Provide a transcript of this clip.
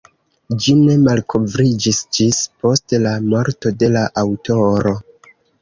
Ĝi ne malkovriĝis ĝis post la morto de la aŭtoro.